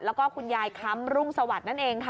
แล้วก็คุณยายค้ำรุ่งสวัสดิ์นั่นเองค่ะ